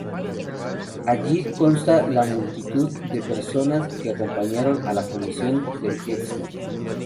Allí consta la multitud de personas que acompañaron a la Comisión del Excmo.